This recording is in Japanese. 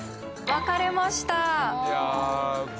分かれました。